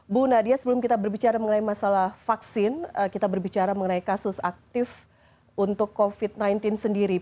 bu nadia sebelum kita berbicara mengenai masalah vaksin kita berbicara mengenai kasus aktif untuk covid sembilan belas sendiri